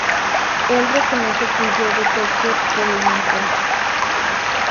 Él reconoce que huyó de Tokio por el mensaje.